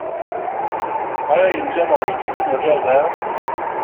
آیا اینجا ماهیگیری مجاز است؟